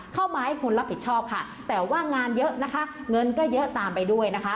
เข้ามาให้คุณรับผิดชอบค่ะแต่ว่างานเยอะนะคะเงินก็เยอะตามไปด้วยนะคะ